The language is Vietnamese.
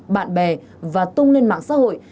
bạn bè và tung lên mạng xã hội